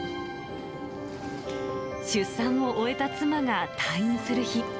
出産を終えた妻が退院する日。